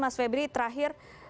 mas febri terakhir